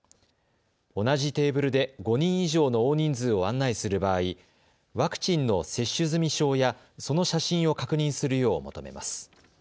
同じテーブルで５人以上の大人数を案内する場合、ワクチンの接種済証やその写真を確認するよう求めます。